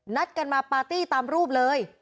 นัดกันมาปาร์ตี้ตามรูปเลย